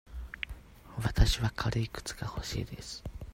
わたしは軽い靴が欲しいです。